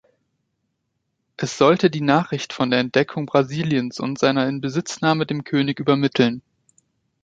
Es sollte die Nachricht von der Entdeckung Brasiliens und seiner Inbesitznahme dem König übermitteln.